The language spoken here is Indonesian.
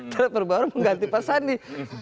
karena terbaru mengganti pak sandi